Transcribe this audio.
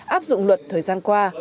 áp dụng luật thời gian qua